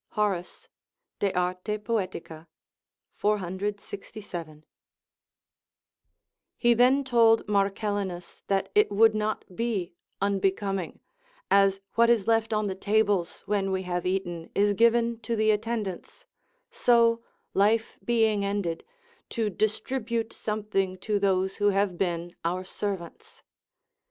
Horat., De Arte Poet., 467] He then told Marcellinus that it would not be unbecoming, as what is left on the tables when we have eaten is given to the attendants, so, life being ended, to distribute something to those who have been our servants.